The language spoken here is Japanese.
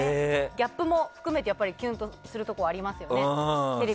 ギャップも含めてキュンとするところありますよね。